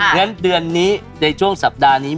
งั้นเดือนนี้ในช่วงสัปดาห์นี้